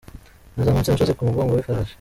Nazamutse umusozi ku mugongo w'ifarashi.